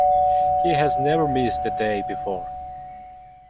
He has never missed a day before.